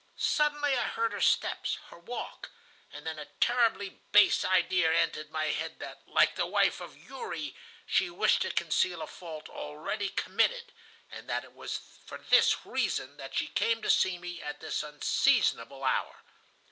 Suddenly I heard her steps, her walk, and then a terribly base idea entered my head that, like the wife of Uri, she wished to conceal a fault already committed, and that it was for this reason that she came to see me at this unseasonable hour.